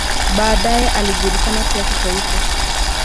Baadaye alijulikana pia kitaifa.